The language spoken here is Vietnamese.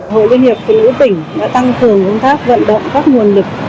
hội liên hiệp phụ nữ tỉnh đã tăng cường công tác vận động các nguồn lực